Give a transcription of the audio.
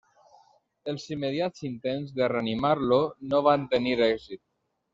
Els immediats intents de reanimar-lo no van tenir èxit.